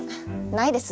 ないです。